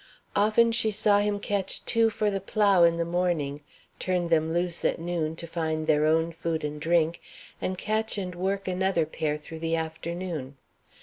Often she saw him catch two for the plough in the morning, turn them loose at noon to find their own food and drink, and catch and work another pair through the afternoon.